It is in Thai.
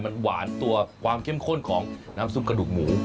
มันหวานตัวความเข้มข้นของน้ำซุปกระดูกหมู